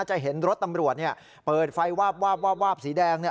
จะเห็นรถตำรวจเปิดไฟวาบวาบสีแดง